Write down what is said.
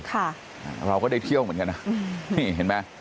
ค่ะเราก็ได้เที่ยวเหมือนกันนะนี่เห็นไหม